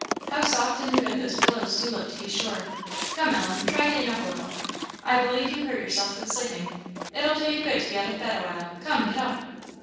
How soft and good those pillows do look to be sure. Come, Ellen, try getting up a little. I believe you hurt yourself with sleeping; it'll do you good to be out of bed awhile; come, get up!"